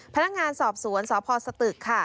พนักงานสอบสวนสพสตึกค่ะ